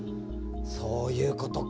そういうことか。